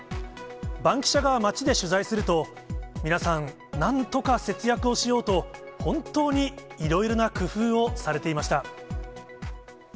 バンキシャが街で取材すると、皆さん、なんとか節約をしようと、本当にいろいろな工夫をされていました。